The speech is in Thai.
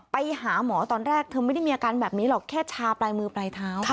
ไปหาหมอตอนแรกเธอไม่ได้มีอาการแบบนี้หรอกแค่ชาปลายมือปลายเท้า